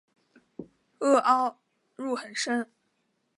萼凹入很深。